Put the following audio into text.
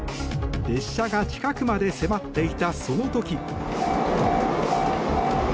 列車が近くまで迫っていたその時。